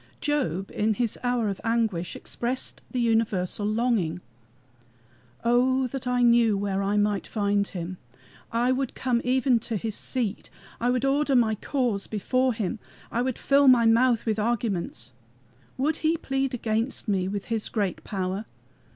Job in his hour of anguish expressed the universal longing: "Oh that I knew where I might find him! I would come even to his seat, I would order my cause before him, I would fill my mouth with arguments. Would he plead against me with his great power?